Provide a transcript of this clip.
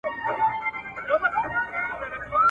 زه تر چا به چیغي یو سم زه تر کومه به رسېږم `